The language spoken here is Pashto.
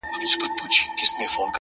مثبت ذهن حل لارې پیدا کوي